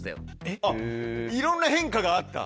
いろんな変化があった？